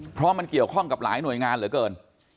เพราะมันเกี่ยวข้องกับหลายหน่วยงานเหลือเกิน